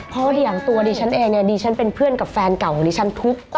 เพราะว่าอย่างตัวดิฉันเองเนี่ยดิฉันเป็นเพื่อนกับแฟนเก่าของดิฉันทุกคน